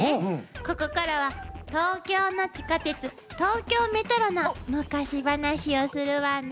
ここからは東京の地下鉄東京メトロの昔話をするわね。